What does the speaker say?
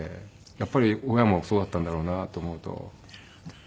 やっぱり親もそうだったんだろうなと思うと。